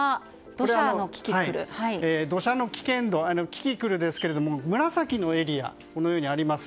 土砂災害の危険度ですが紫色のエリアがこのようにあります。